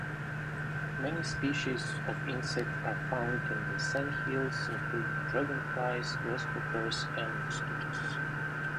Many species of insect are found in the Sandhills, including dragonflies, grasshoppers and mosquitos.